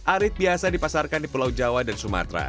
arit biasa dipasarkan di pulau jawa dan sumatera